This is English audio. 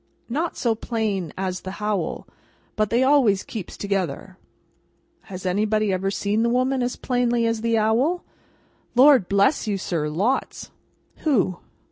"Not so plain as the howl, but they always keeps together." "Has anybody ever seen the woman as plainly as the owl?" "Lord bless you, sir! Lots." "Who?"